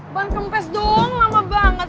ban kempes dong lama banget